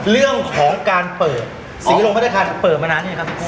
อ๋อเรื่องของการเปิดสีโรงพัฒนาคารเปิดมานานใช่ไหมครับทุกคน